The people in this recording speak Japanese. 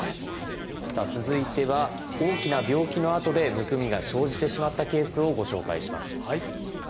さあ続いては大きな病気のあとでむくみが生じてしまったケースをご紹介します。